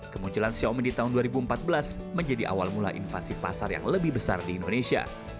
kemunculan xiaomi di tahun dua ribu empat belas menjadi awal mula invasi pasar yang lebih besar di indonesia